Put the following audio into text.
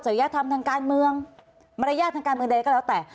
ยธรรมทางการเมืองมารยาททางการเมืองใดก็แล้วแต่